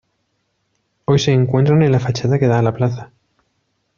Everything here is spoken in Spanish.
Hoy se encuentran en la fachada que da a la plaza.